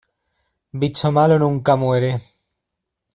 Bicho malo nunca muere.